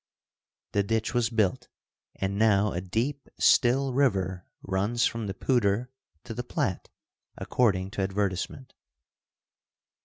The ditch was built, and now a deep, still river runs from the Poudre to the Platte, according to advertisement.